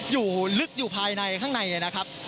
อยู่ลึกอยู่ภายในข้างในนะครับ